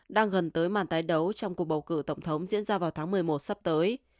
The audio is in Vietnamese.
đang gần tới màn tái đấu trong cuộc bầu cử tổng thống diễn ra vào tháng một mươi một sắp tới